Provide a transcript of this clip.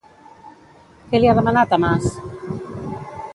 Què li ha demanat a Mas?